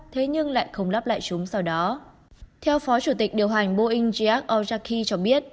thế nhưng lại không lắp lại chúng sau đó theo phó chủ tịch điều hành boeing jack ozaki cho biết